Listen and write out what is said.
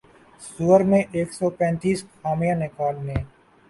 سؤر میں ایک سو پینتیس خامیاں نکال لیں